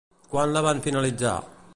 Quan la van finalitzar?